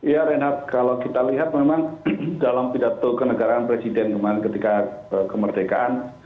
ya renat kalau kita lihat memang dalam pidato kenegaraan presiden kemarin ketika kemerdekaan